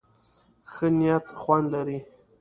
ښه نيت خوند لري.